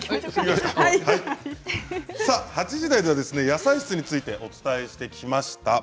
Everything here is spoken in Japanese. ８時台では野菜室についてお伝えしてきました。